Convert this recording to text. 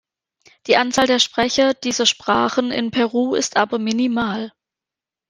Die Anzahl der Sprecher dieser Sprachen in Peru ist aber minimal.